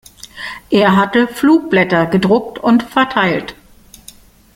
Er hatte Flugblätter gedruckt und verteilt.